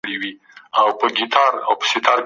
د راتلونکو نسلونو لپاره ښه ميراث پرېږدئ.